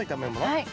はい。